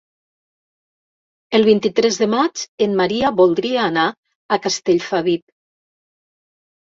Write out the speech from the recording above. El vint-i-tres de maig en Maria voldria anar a Castellfabib.